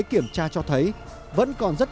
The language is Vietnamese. kiểm tra cho thấy vẫn còn rất